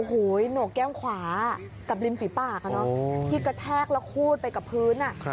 โอ้โหโหนกแก้มขวากับริมฝีปากที่กระแทกแล้วคูดไปกับพื้น